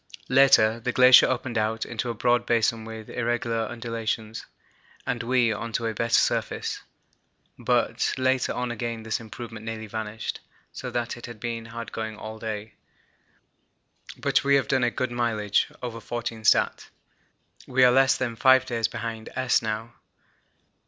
Later, the glacier opened out into a broad basin with irregular undulations, and we on to a better surface, but later on again this improvement nearly vanished, so that it has been hard going all day, but we have done a good mileage (over 14 stat.). We are less than five days behind S. now.